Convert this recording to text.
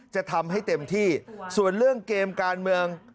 จะทำให้เต็มที่ส่วนเรื่องเกมการเมือง